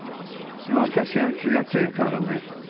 私は気が強いからね